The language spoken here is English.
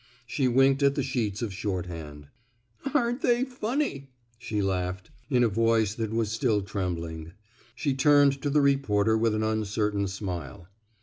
She winked at the sheets of shorthand. ArenH they funny? " she laughed, in a 295 THE SMOKE EATERS voice thaf was still trembling. She turned to the reporter with an uncertain smile.